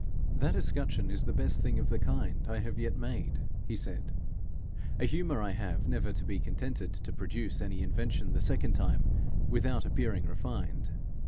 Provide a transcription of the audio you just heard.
'That escutcheon is the best thing of the kind I have yet made,' he said. 'A humour I have, never to be contented to produce any invention the second time, without appearing refined.